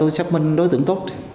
xác minh đối tượng tốt